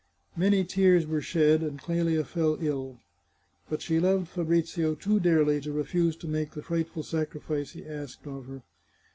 Many tears were shed, and Clelia fell ill. But she loved Fabrizio too dearly to refuse to make the frightful sacrifice he asked of her.